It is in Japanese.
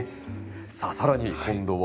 さあ更に今度は？